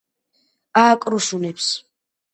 ააკრუსუნებს